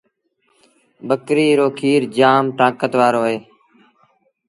ٻڪريٚ رو کير با جآم تآݩڪت وآرو هوئي دو۔